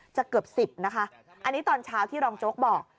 เกือบ๑๐นะคะอันนี้ตอนเช้าที่รองโจ๊กบอก